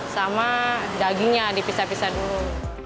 sama dagingnya dipisah pisah dulu